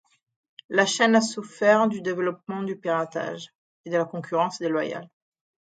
La chaîne a souffert du développement du piratage, et de la concurrence déloyale.